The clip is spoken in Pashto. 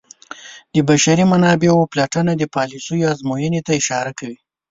د بشري منابعو پلټنه د پالیسیو ازموینې ته اشاره کوي.